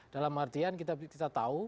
dalam artian kita tahu